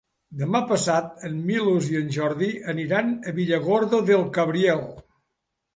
Demà passat en Milos i en Jordi aniran a Villargordo del Cabriel.